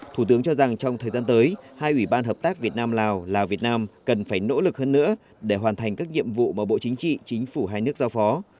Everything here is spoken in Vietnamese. thủ tướng cho rằng trong thời gian tới hai ủy ban hợp tác việt nam lào lào việt nam cần phải nỗ lực hơn nữa để hoàn thành các nhiệm vụ mà bộ chính trị chính phủ hai nước giao phó